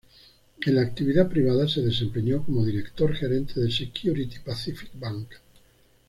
En la actividad privada, se desempeñó como Director Gerente de Security Pacific Bank.